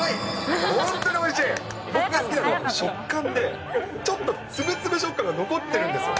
僕が好きなのは食感で、ちょっと粒々食感が残ってるんですよ。